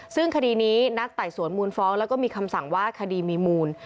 ซึ่งคดีนี้นัดไต่สวนมูลฟ้องแล้วก็มีคำสั่งว่าคดีมีมูล